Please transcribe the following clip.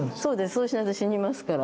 そうしないと死にますから。